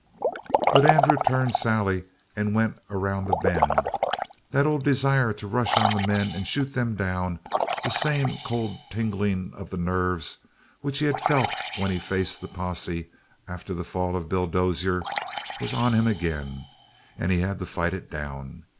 But Andrew turned Sally and went around the bend; that old desire to rush on the men and shoot them down, that same cold tingling of the nerves, which he had felt when he faced the posse after the fall of Bill Dozier, was on him again, and he had to fight it down.